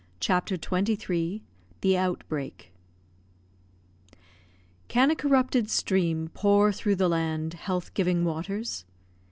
CHAPTER XXIII THE OUTBREAK Can a corrupted stream pour through the land Health giving waters?